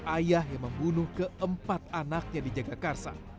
ayah yang membunuh keempat anaknya di jaga karsa